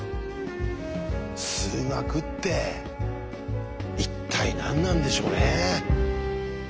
数学って一体何なんでしょうね？